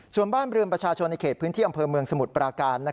ส่วนบ้านเรือนประชาชนในเขตพื้นที่อำเภอเมืองสมุทรปราการ